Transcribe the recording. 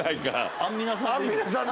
アンミナさんで。